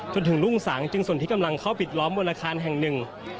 จนถึงรุ่งสังจึงสนทิศกำลังเข้าผิดล้อมบริการแห่ง๑